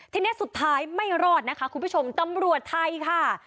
ทีนี้สุดท้ายไม่รอดนะคะคุณผู้ชมตำรวจไทยค่ะ